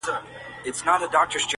نه یې وکړل د آرامي شپې خوبونه!.